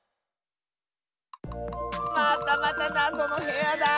またまたなぞのへやだ！